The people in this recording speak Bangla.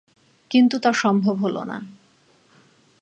কিন্তু তা সম্ভব হলো না।